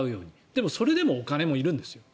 でも、それでもお金もいるんです。